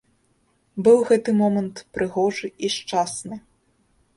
Быў гэты момант прыгожы і шчасны.